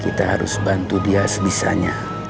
kita harus bantu dia sebisanya